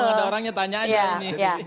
kalau ada orangnya tanya aja ini